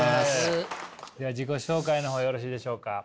では自己紹介の方よろしいでしょうか？